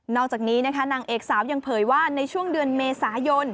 อกจากนี้นะคะนางเอกสาวยังเผยว่าในช่วงเดือนเมษายน